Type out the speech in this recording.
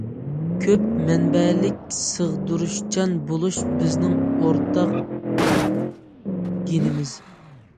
كۆپ مەنبەلىك سىغدۇرۇشچان بولۇش بىزنىڭ ئورتاق گېنىمىز.